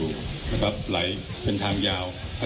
คุณผู้ชมไปฟังผู้ว่ารัฐกาลจังหวัดเชียงรายแถลงตอนนี้ค่ะ